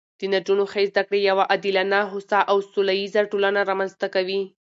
د نجونو ښې زده کړې یوه عادلانه، هوسا او سوله ییزه ټولنه رامنځته کوي